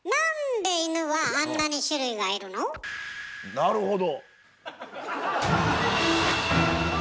なるほど。